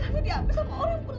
saya nggak mau tahu